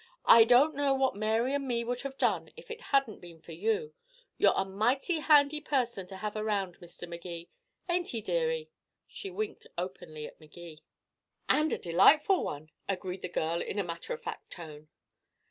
"I don't know what Mary and me would have done if it hadn't been for you. You're a mighty handy person to have around, Mr. Magee. Ain't he, dearie?" She winked openly at Magee. "And a delightful one," agreed the girl, in a matter of fact tone.